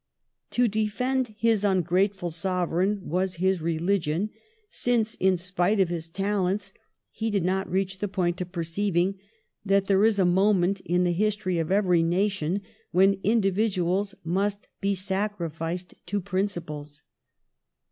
To defend his ungrateful sovereign was his religion, since, in spite of his talents, he did not reach the point of perceiving that there is a mo ment in the history of every nation when individ uals must be sacrificed to principles.